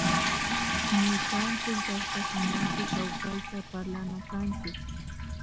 Ñukanchick llactakunapi kawpayta parlana kanchik